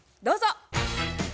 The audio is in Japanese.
どうぞ。